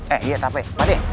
eh iya tapi pak dek